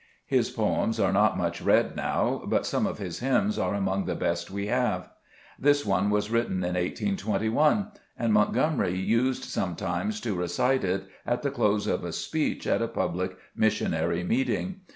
His poems are not much read now, but some of his hymns are among the best we have. This one was written in 1S21, and Montgomery used sometimes to recite it at the close of a speech at a public missionary meeting.